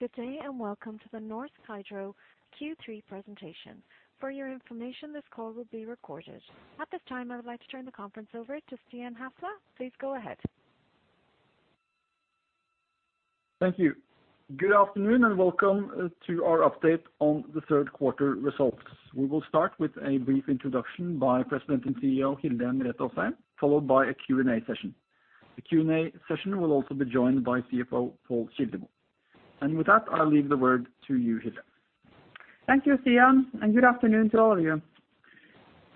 Good day, welcome to the Norsk Hydro Q3 presentation. For your information, this call will be recorded. At this time, I would like to turn the conference over to Stian Hasle. Please go ahead. Thank you. Good afternoon, welcome to our update on the third quarter results. We will start with a brief introduction by President and CEO Hilde Merete Aasheim, followed by a Q&A session. The Q&A session will also be joined by CFO Pål Kildemo. With that, I'll leave the word to you, Hilde. Thank you, Stian, and good afternoon to all of you.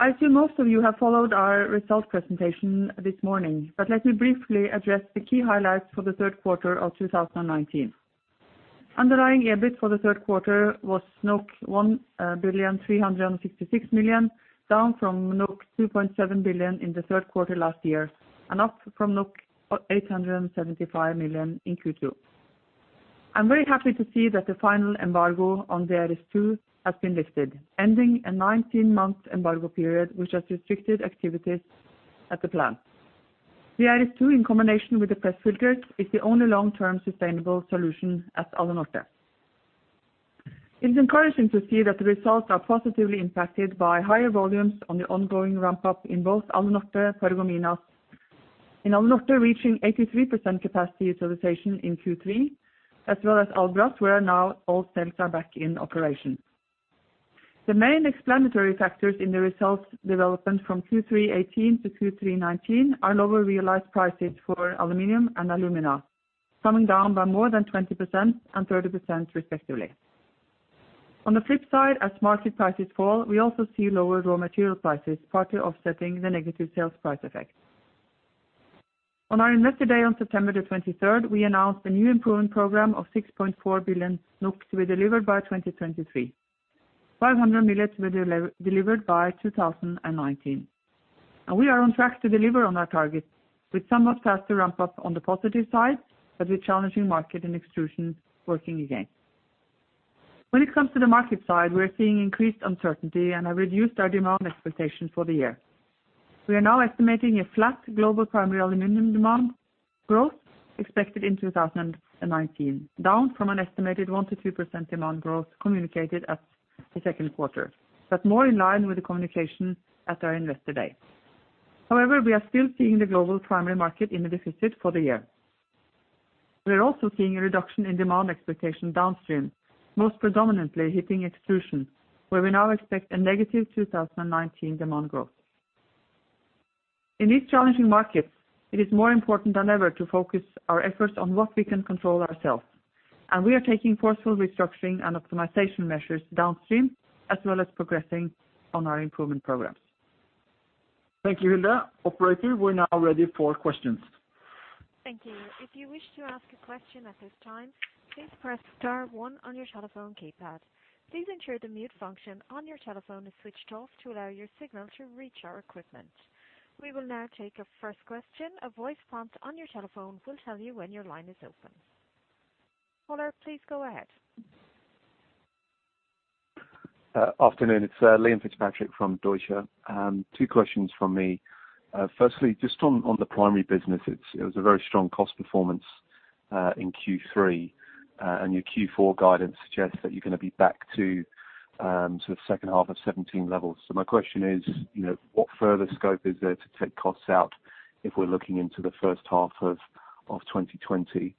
I see most of you have followed our results presentation this morning. Let me briefly address the key highlights for the third quarter of 2019. Underlying EBIT for the third quarter was 1,366 million, down from 2.7 billion in the third quarter last year, up from 875 million in Q2. I'm very happy to see that the final embargo on the DRS2 has been lifted, ending a 19-month embargo period, which has restricted activities at the plant. The DRS2, in combination with the press filter, is the only long-term sustainable solution at Alunorte. It's encouraging to see that the results are positively impacted by higher volumes on the ongoing ramp-up in both Alunorte, Paragominas. In Alunorte, reaching 83% capacity utilization in Q3, as well as Albras, where now all cells are back in operation. The main explanatory factors in the results development from Q3 2018 to Q3 2019 are lower realized prices for aluminum and alumina, coming down by more than 20% and 30% respectively. On the flip side, as market prices fall, we also see lower raw material prices, partly offsetting the negative sales price effect. On our Investor Day on September 23rd, we announced a new Improvement Program of 6.4 billion NOK to be delivered by 2023. 500 million to be delivered by 2019. We are on track to deliver on our targets, with somewhat faster ramp-up on the positive side, but with challenging market and extrusion working against. When it comes to the market side, we're seeing increased uncertainty and have reduced our demand expectations for the year. We are now estimating a flat global primary aluminum demand growth expected in 2019, down from an estimated 1% to 2% demand growth communicated at the second quarter, more in line with the communication at our Investor Day. We are still seeing the global primary market in a deficit for the year. We are also seeing a reduction in demand expectation downstream, most predominantly hitting extrusion, where we now expect a negative 2019 demand growth. In these challenging markets, it is more important than ever to focus our efforts on what we can control ourselves, we are taking forceful restructuring and optimization measures downstream, as well as progressing on our improvement programs. Thank you, Hilde. Operator, we are now ready for questions. Thank you. If you wish to ask a question at this time, please press star one on your telephone keypad. Please ensure the mute function on your telephone is switched off to allow your signal to reach our equipment. We will now take our first question. A voice prompt on your telephone will tell you when your line is open. Caller, please go ahead. Afternoon. It's Liam Fitzpatrick from Deutsche Bank. Two questions from me. Firstly, just on the Primary Metal business, it was a very strong cost performance, in Q3, and your Q4 guidance suggests that you're going to be back to sort of second half of 2017 levels. My question is, what further scope is there to take costs out if we're looking into the first half of 2020?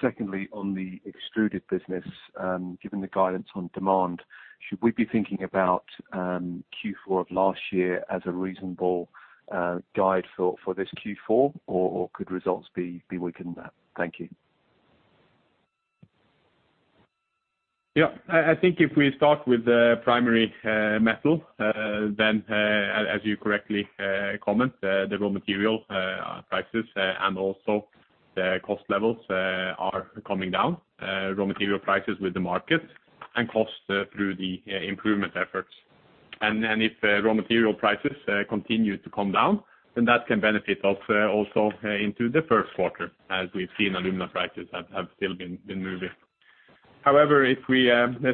Secondly, on the extrusion business, given the guidance on demand, should we be thinking about Q4 of last year as a reasonable guide for this Q4, or could results be weaker than that? Thank you. I think if we start with the Primary Metal, then as you correctly comment, the raw material prices and also the cost levels are coming down. Raw material prices with the market and cost through the improvement efforts. If raw material prices continue to come down, then that can benefit us also into the first quarter, as we've seen alumina prices have still been moving. However, if we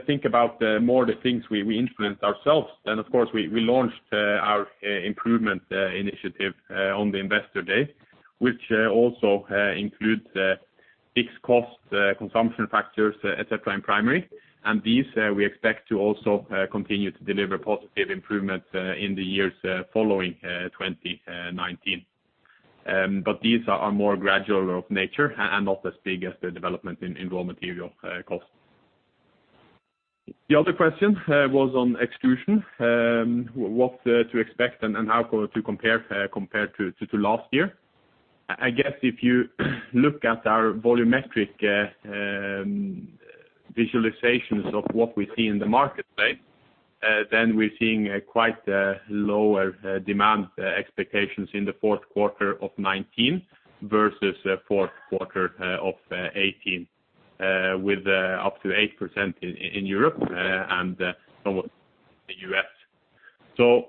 think about more the things we influence ourselves, then of course, we launched our improvement initiative on the Investor Day, which also includes fixed cost consumption factors, et cetera, in Primary Metal. These, we expect to also continue to deliver positive improvements in the years following 2019. These are more gradual of nature and not as big as the development in raw material costs. The other question was on extrusion, what to expect and how to compare to last year. I guess if you look at our volumetric visualizations of what we see in the marketplace, then we're seeing quite lower demand expectations in the fourth quarter of 2019 versus fourth quarter of 2018, with up to 8% in Europe and somewhat the U.S.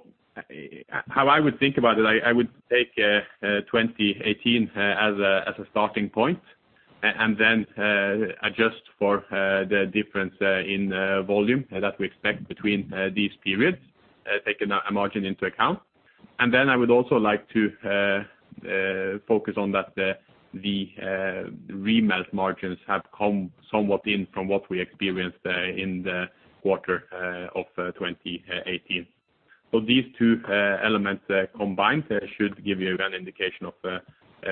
How I would think about it, I would take 2018 as a starting point, and then adjust for the difference in volume that we expect between these periods, taking a margin into account. I would also like to focus on that the remelt margins have come somewhat in from what we experienced in the quarter of 2018. These two elements combined should give you an indication of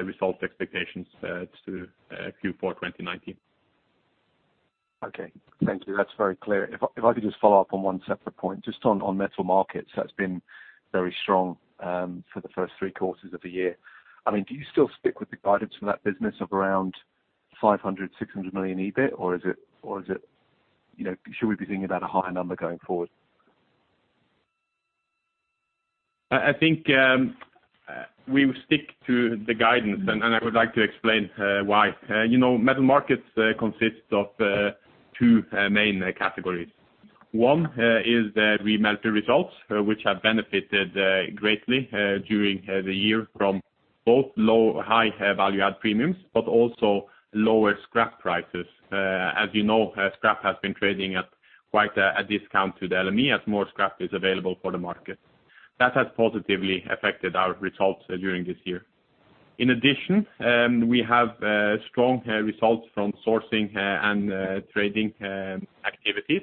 results expectations to Q4 2019. Okay. Thank you. That's very clear. If I could just follow up on one separate point, just on Metal Markets, that's been very strong for the first three quarters of the year. Do you still stick with the guidance for that business of around 500 million-600 million EBIT? Or should we be thinking about a higher number going forward? I think we will stick to the guidance, and I would like to explain why. Metal Markets consists of two main categories. One is remelt results, which have benefited greatly during the year from both high value-add premiums, but also lower scrap prices. As you know, scrap has been trading at quite a discount to the LME as more scrap is available for the market. That has positively affected our results during this year. In addition, we have strong results from sourcing and trading activities,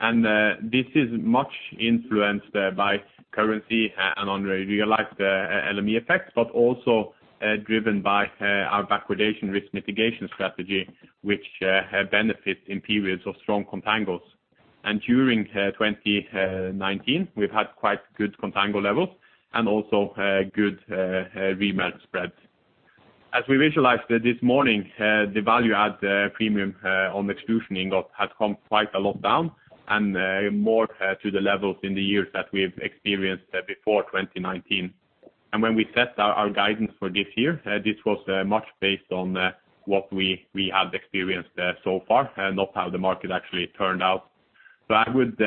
and this is much influenced by currency and unrealized LME effects, but also driven by our backwardation risk mitigation strategy, which benefits in periods of strong contangos. During 2019, we've had quite good contango levels and also good remelt spreads. As we visualized this morning, the value-add premium on extrusion ingot has come quite a lot down and more to the levels in the years that we've experienced before 2019. When we set our guidance for this year, this was much based on what we had experienced so far, not how the market actually turned out. I would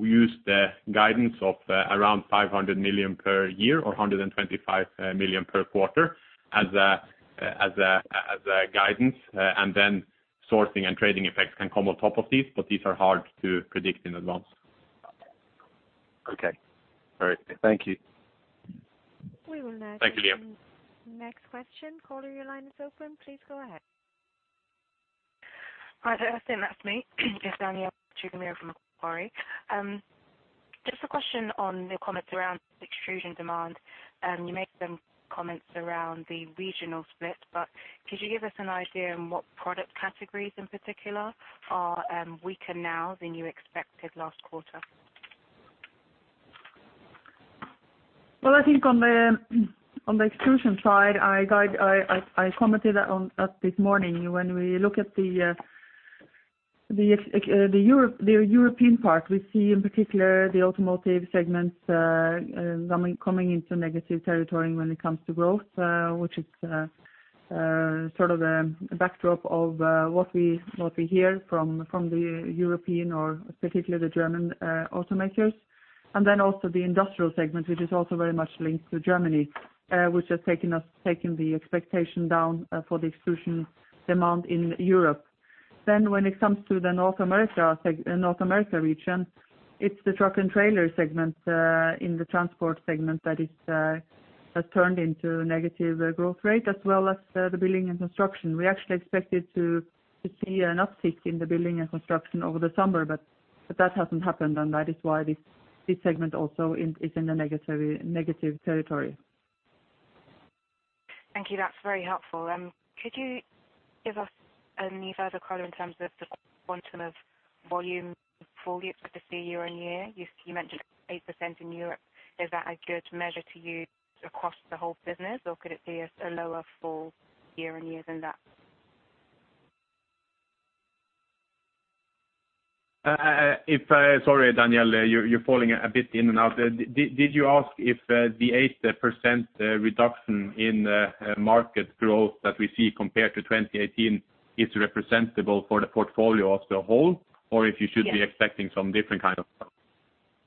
use the guidance of around 500 million per year or 125 million per quarter as a guidance, and then sourcing and trading effects can come on top of these, but these are hard to predict in advance. Okay. All right. Thank you. Thank you, Liam. We will now take the next question. Caller, your line is open. Please go ahead. Hi there. Astem, that's me. It's Danielle Chigumira from Macquarie. Just a question on your comments around extrusion demand. You made some comments around the regional split. Could you give us an idea on what product categories in particular are weaker now than you expected last quarter? Well, I think on the extrusion side, I commented on that this morning. When we look at the European part, we see in particular the automotive segments coming into negative territory when it comes to growth, which is sort of a backdrop of what we hear from the European or particularly the German automakers. Also the industrial segment, which is also very much linked to Germany, which has taken the expectation down for the extrusion demand in Europe. When it comes to the North America region, it's the truck and trailer segment in the transport segment that has turned into a negative growth rate, as well as the building and construction. We actually expected to see an uptick in the building and construction over the summer, but that hasn't happened, and that is why this segment also is in the negative territory. Thank you. That's very helpful. Could you give us any further color in terms of the quantum of volume for year to see year-on-year? You mentioned 8% in Europe. Is that a good measure to use across the whole business, or could it be a lower full year-on-year than that? Sorry, Danielle, you're falling a bit in and out. Did you ask if the 8% reduction in market growth that we see compared to 2018 is representable for the portfolio as the whole? Or if you should- Yes be expecting some different kind of growth?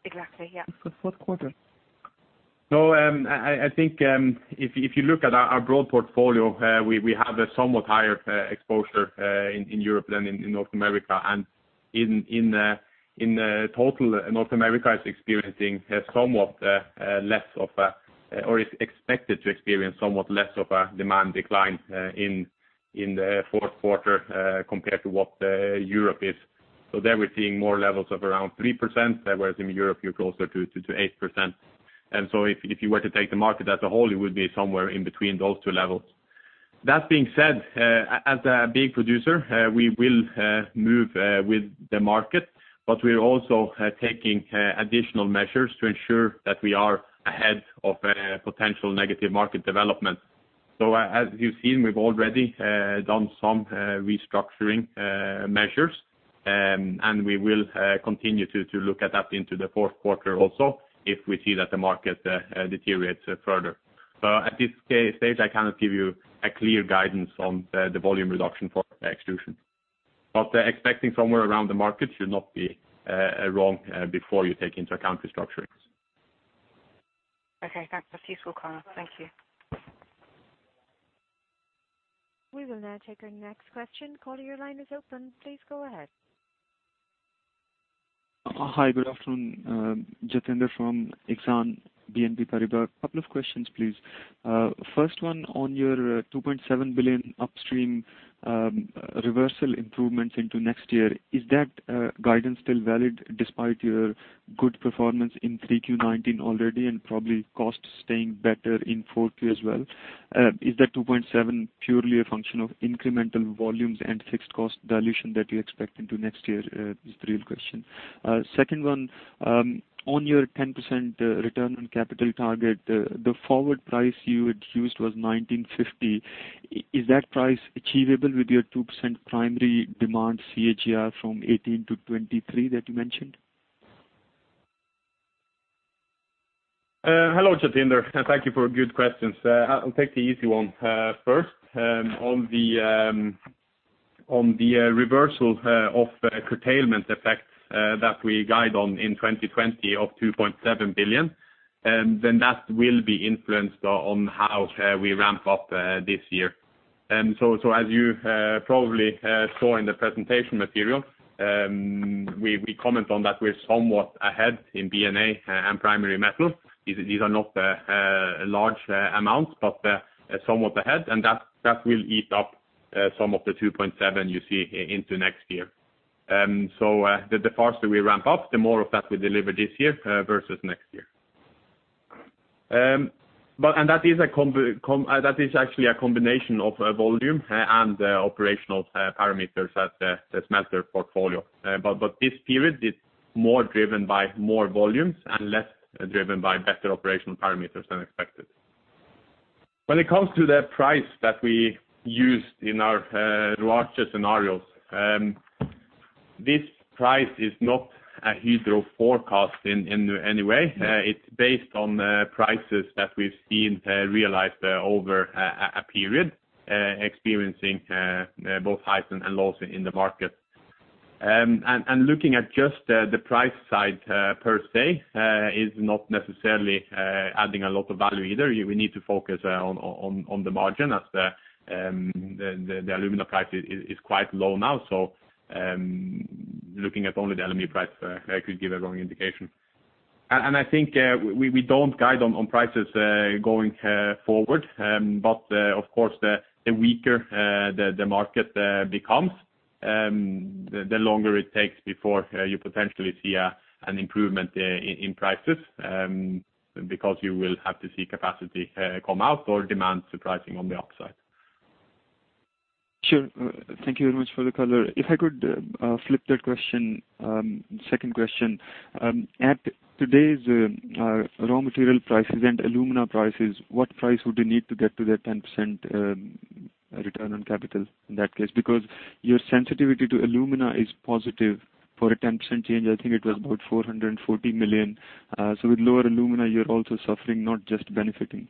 Exactly, yeah. It's the fourth quarter. No, I think if you look at our broad portfolio, we have a somewhat higher exposure in Europe than in North America. In total, North America is experiencing somewhat less of a, or is expected to experience somewhat less of a demand decline in the fourth quarter compared to what Europe is. There, we're seeing more levels of around 3%, whereas in Europe, you're closer to 8%. If you were to take the market as a whole, it would be somewhere in between those two levels. That being said, as a big producer, we will move with the market, but we're also taking additional measures to ensure that we are ahead of potential negative market development. As you've seen, we've already done some restructuring measures, and we will continue to look at that into the fourth quarter also if we see that the market deteriorates further. At this stage, I cannot give you a clear guidance on the volume reduction for extrusion. Expecting somewhere around the market should not be wrong before you take into account restructurings. Okay, thanks. That's useful color. Thank you. We will now take our next question. Caller, your line is open. Please go ahead. Hi, good afternoon. Jatinder from Exane BNP Paribas. Couple of questions, please. First one on your 2.7 billion upstream reversal improvements into next year. Is that guidance still valid despite your good performance in Q3 2019 already and probably costs staying better in Q4 as well? Is that 2.7 purely a function of incremental volumes and fixed cost dilution that you expect into next year, is the real question. Second one, on your 10% return on capital target, the forward price you had used was 1,950. Is that price achievable with your 2% primary demand CAGR from 2018 to 2023 that you mentioned? Hello, Jatinder, and thank you for good questions. I'll take the easy one first. On the reversal of curtailment effects that we guide on in 2020 of 2.7 billion, that will be influenced on how we ramp up this year. As you probably saw in the presentation material, we comment on that we're somewhat ahead in B&A and Primary Metal. These are not large amounts, but somewhat ahead, and that will eat up some of the 2.7 you see into next year. The faster we ramp up, the more of that we deliver this year versus next year. That is actually a combination of volume and operational parameters at the smelter portfolio. This period is more driven by more volumes and less driven by better operational parameters than expected. When it comes to the price that we used in our larger scenarios, this price is not a Hydro forecast in any way. It's based on prices that we've seen realized over a period, experiencing both highs and lows in the market. Looking at just the price side per se is not necessarily adding a lot of value either. We need to focus on the margin as the alumina price is quite low now. Looking at only the LME price could give a wrong indication. I think we don't guide on prices going forward. Of course, the weaker the market becomes, the longer it takes before you potentially see an improvement in prices, because you will have to see capacity come out or demand surprising on the upside. Sure. Thank you very much for the color. If I could flip that question, second question. At today's raw material prices and alumina prices, what price would you need to get to that 10% return on capital in that case? Because your sensitivity to alumina is positive for a 10% change. I think it was about 440 million. With lower alumina, you're also suffering, not just benefiting.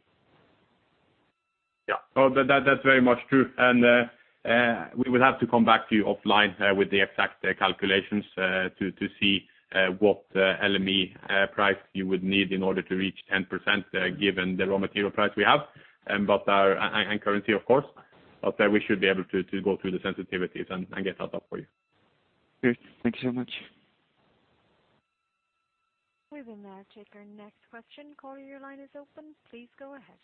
Yeah. That's very much true, and we will have to come back to you offline with the exact calculations to see what LME price you would need in order to reach 10%, given the raw material price we have. Currency, of course. We should be able to go through the sensitivities and get that up for you. Great. Thank you so much. We will now take our next question. Caller, your line is open. Please go ahead.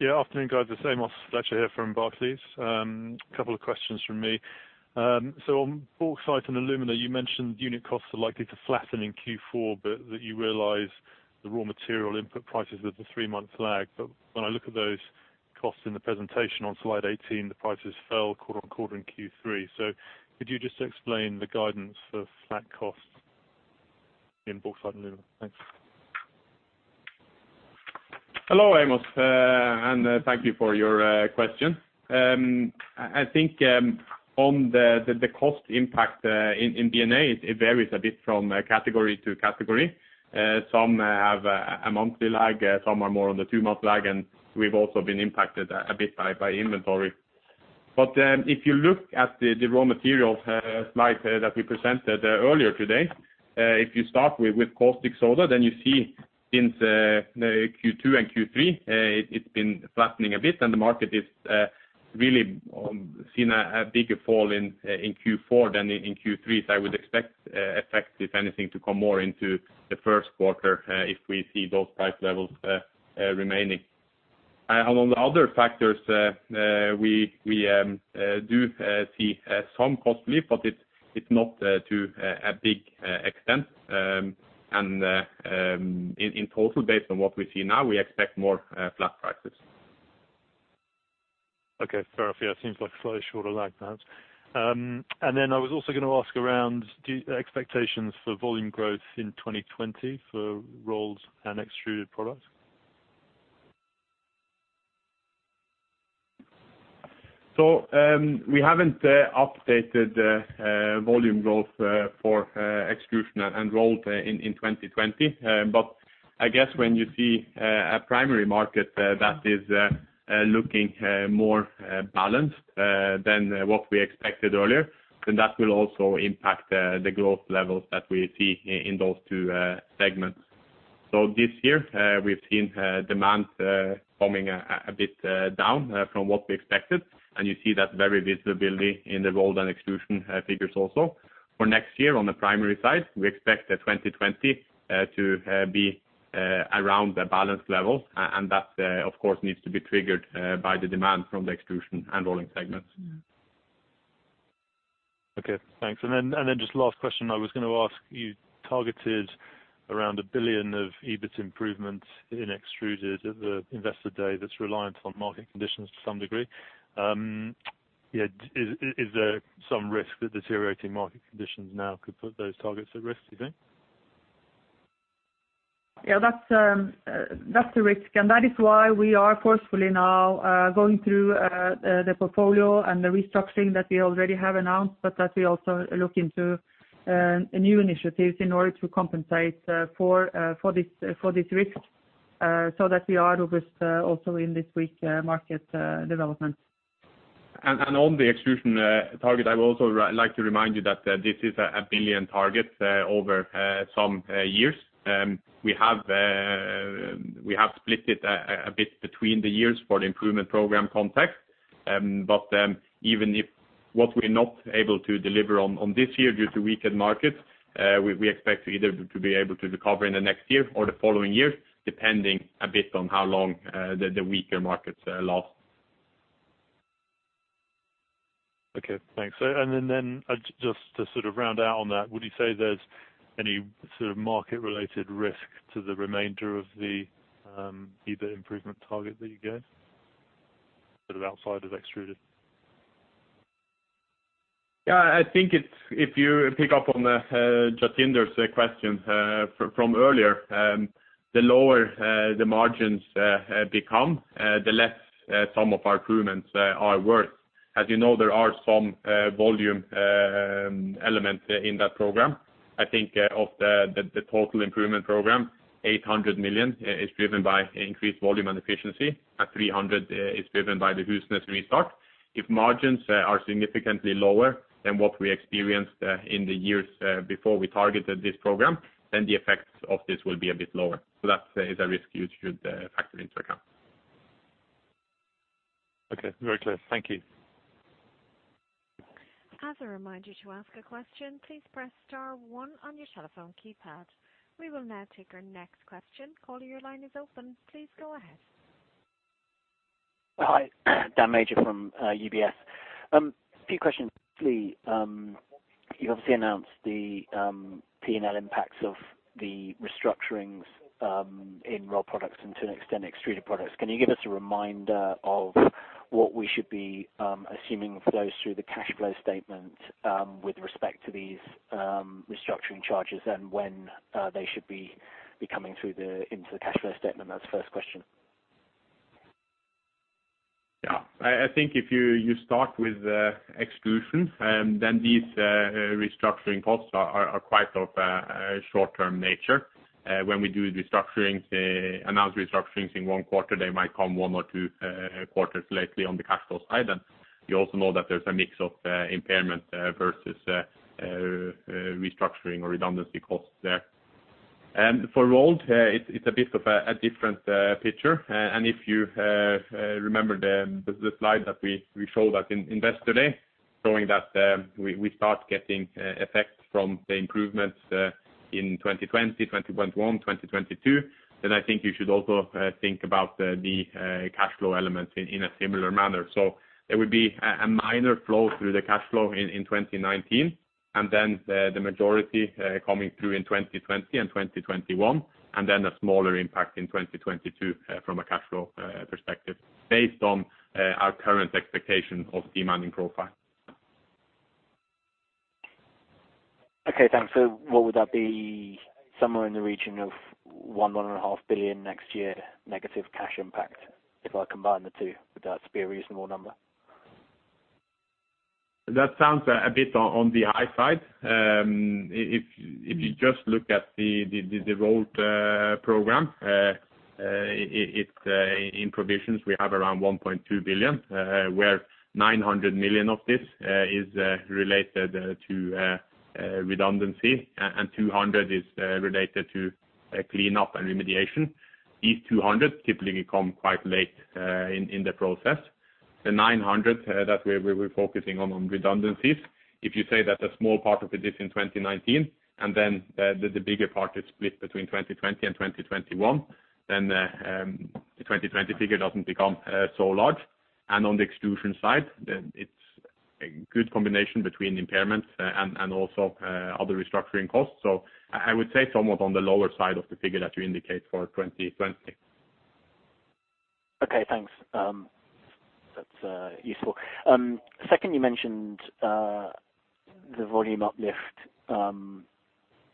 Yeah. Afternoon, guys. It's Amos Fletcher here from Barclays. Couple of questions from me. On bauxite and alumina, you mentioned unit costs are likely to flatten in Q4, but that you realize the raw material input prices with the three-month lag. When I look at those costs in the presentation on slide 18, the prices fell quarter-on-quarter in Q3. Could you just explain the guidance for flat costs in bauxite and alumina? Thanks. Hello, Amos, thank you for your question. I think on the cost impact in B&A, it varies a bit from category to category. Some have a monthly lag, some are more on the two-month lag, and we've also been impacted a bit by inventory. If you look at the raw materials slide that we presented earlier today, if you start with caustic soda, then you see since Q2 and Q3, it's been flattening a bit, and the market is really seeing a bigger fall in Q4 than in Q3. I would expect, effect, if anything, to come more into the first quarter, if we see those price levels remaining. On the other factors, we do see some cost leap, but it's not to a big extent. In total, based on what we see now, we expect more flat prices. Okay. Fair enough. Yeah, it seems like a slightly shorter lag, perhaps. I was also going to ask around the expectations for volume growth in 2020 for rolled and extruded products. We haven't updated volume growth for extrusion and rolled in 2020. I guess when you see a primary market that is looking more balanced than what we expected earlier, then that will also impact the growth levels that we see in those two segments. This year, we've seen demand coming a bit down from what we expected, and you see that very visibility in the rolled and extrusion figures also. For next year on the primary side, we expect 2020 to be around the balance level, and that, of course, needs to be triggered by the demand from the extrusion and rolling segments. Okay, thanks. Just last question I was going to ask, you targeted around 1 billion of EBIT improvements in Extruded at the Investor Day that's reliant on market conditions to some degree. Is there some risk that deteriorating market conditions now could put those targets at risk, do you think? That's a risk, and that is why we are forcefully now going through the portfolio and the restructuring that we already have announced, but that we also look into new initiatives in order to compensate for this risk, so that we are robust also in this weak market development. On the extrusion target, I would also like to remind you that this is a billion target over some years. We have split it a bit between the years for the improvement program context. Even if what we're not able to deliver on this year due to weakened markets, we expect either to be able to recover in the next year or the following years, depending a bit on how long the weaker markets last. Okay, thanks. Then just to round out on that, would you say there's any sort of market-related risk to the remainder of the EBIT improvement target that you gave, sort of outside of extruded? I think if you pick up on Jatinder's question from earlier, the lower the margins become, the less some of our improvements are worth. As you know, there are some volume elements in that program. I think of the total improvement program, 800 million is driven by increased volume and efficiency, and 300 is driven by the Husnes restart. If margins are significantly lower than what we experienced in the years before we targeted this program, then the effects of this will be a bit lower. That is a risk you should factor into account. Okay. Very clear. Thank you. As a reminder to ask a question, please press star one on your telephone keypad. We will now take our next question. Caller, your line is open. Please go ahead. Hi. Daniel Major from UBS. A few questions, please. You obviously announced the P&L impacts of the restructurings in Rolled Products and to an extent, extruded products. Can you give us a reminder of what we should be assuming flows through the cash flow statement with respect to these restructuring charges and when they should be coming into the cash flow statement? That's the first question. Yeah. I think if you start with extrusion, then these restructuring costs are quite of a short-term nature. When we do restructurings, announce restructurings in one quarter, they might come one or two quarters lately on the cash flow side, and you also know that there's a mix of impairment versus restructuring or redundancy costs there. For rolled, it's a bit of a different picture. If you remember the slide that we showed at Investor Day, showing that we start getting effects from the improvements in 2020, 2021, 2022, then I think you should also think about the cash flow elements in a similar manner. There would be a minor flow through the cash flow in 2019, and then the majority coming through in 2020 and 2021, and then a smaller impact in 2022 from a cash flow perspective, based on our current expectation of demanding profile. Okay, thanks. What would that be? Somewhere in the region of one, 1.5 billion next year, negative cash impact, if I combine the two, would that be a reasonable number? That sounds a bit on the high side. If you just look at the rolled program, in provisions, we have around 1.2 billion, where 900 million of this is related to redundancy and 200 million is related to cleanup and remediation. These 200 million typically come quite late in the process. The 900 million that we're focusing on redundancies, if you say that a small part of it is in 2019, then the bigger part is split between 2020 and 2021, then the 2020 figure doesn't become so large. On the extrusion side, it's a good combination between impairment and also other restructuring costs. I would say somewhat on the lower side of the figure that you indicate for 2020. Okay, thanks. That's useful. You mentioned the volume uplift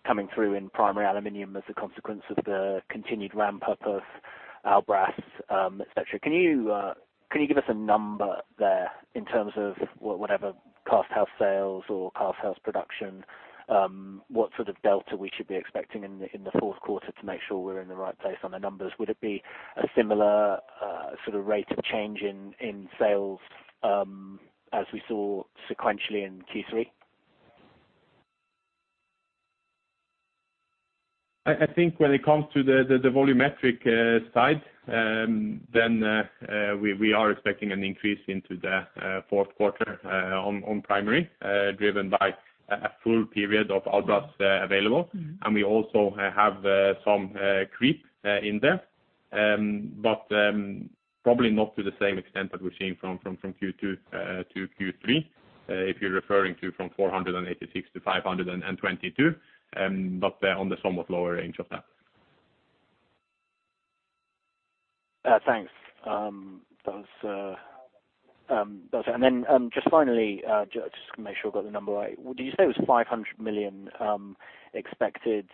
coming through in primary aluminum as a consequence of the continued ramp-up of Albras, et cetera. Can you give us a number there in terms of whatever cast house sales or cast house production, what sort of delta we should be expecting in the fourth quarter to make sure we're in the right place on the numbers? Would it be a similar rate of change in sales as we saw sequentially in Q3? I think when it comes to the volumetric side, we are expecting an increase into the fourth quarter on primary, driven by a full period of Albras available. We also have some creep in there, probably not to the same extent that we're seeing from Q2 to Q3, if you're referring to from 486 to 522, on the somewhat lower range of that. Thanks. That's. Finally, just to make sure I've got the number right. Did you say it was 500 million expected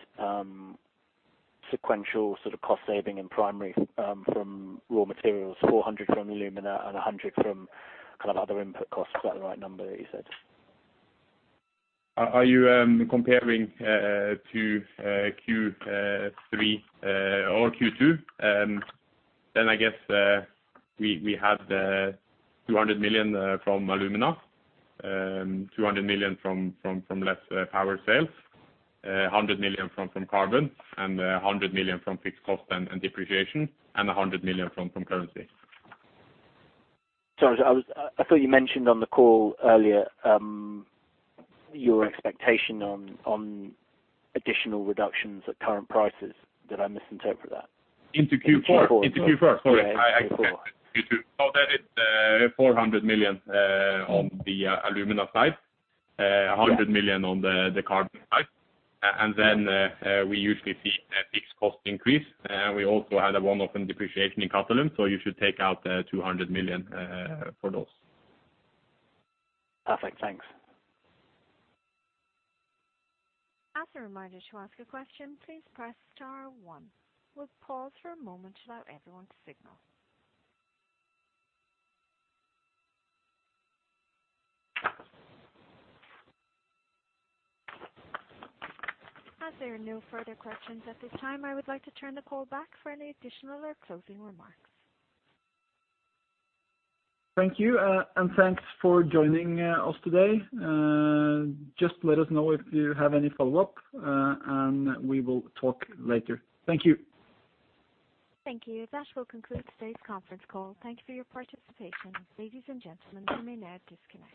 sequential cost saving in Primary Metal from raw materials, 400 million from alumina and 100 million from other input costs? Is that the right number that you said? Are you comparing to Q3 or Q2? I guess we have 200 million from alumina, 200 million from less power sales, 100 million from carbon, and 100 million from fixed cost and depreciation, and 100 million from currency. Sorry, I thought you mentioned on the call earlier your expectation on additional reductions at current prices. Did I misinterpret that? Into Q4? Into Q4. Into Q4. Sorry. I thought it was Q2. That is 400 million on the alumina side, 100 million on the carbon side, and then we usually see a fixed cost increase. We also had a one-off in depreciation in Karmøy, you should take out 2,200 million for those. Perfect. Thanks. As a reminder, to ask a question, please press star one. We will pause for a moment to allow everyone to signal. As there are no further questions at this time, I would like to turn the call back for any additional or closing remarks. Thank you, and thanks for joining us today. Just let us know if you have any follow-up, and we will talk later. Thank you. Thank you. That will conclude today's conference call. Thank you for your participation. Ladies and gentlemen, you may now disconnect.